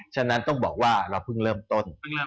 ฉะนั้นต้องบอกว่าเราเพิ่งเริ่มต้น